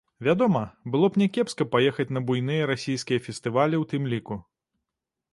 Вядома, было б някепска паехаць на буйныя расійскія фестывалі ў тым ліку.